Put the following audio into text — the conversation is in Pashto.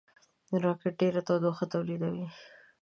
راکټ ډېره تودوخه تولیدوي